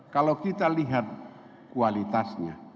kalau kita lihat kualitasnya